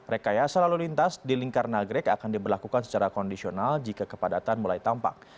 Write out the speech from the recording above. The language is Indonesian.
rekayasa lalu lintas di lingkar nagrek akan diberlakukan secara kondisional jika kepadatan mulai tampak